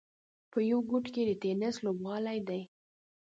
په یوه ګوټ کې یې د ټېنس لوبغالی دی.